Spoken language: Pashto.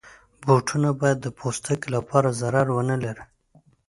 بوټونه باید د پوستکي لپاره ضرر ونه لري.